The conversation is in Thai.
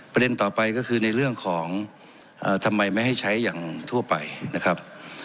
ประเด็นต่อไปก็คือในเรื่องของทำไมไม่ให้ใช้อย่างทั่วไปนะครับ